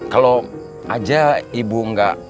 kalau aja ibu enggak